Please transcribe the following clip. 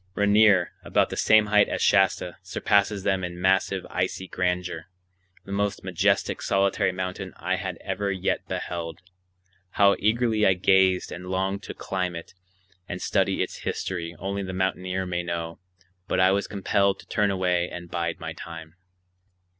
Rainier, about the same height as Shasta, surpasses them all in massive icy grandeur,—the most majestic solitary mountain I had ever yet beheld. How eagerly I gazed and longed to climb it and study its history only the mountaineer may know, but I was compelled to turn away and bide my time.